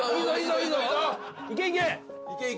いけいけ！